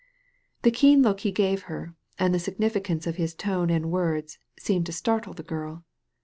The keen look he gave her, and the significance of his tone and words, seemed to startle the girl.